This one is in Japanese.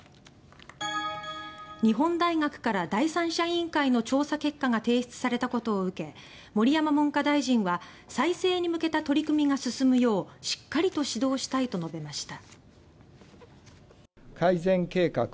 日本大学から第三者委員会の調査結果が提出されたことを受け盛山文科大臣は再生に向けた取り組みが進むようしっかりと指導したいと述べました。